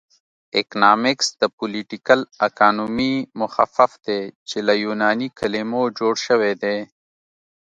اکنامکس د پولیټیکل اکانومي مخفف دی چې له یوناني کلمو جوړ شوی دی